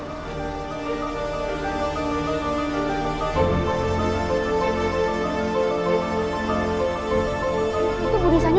berapa hari ya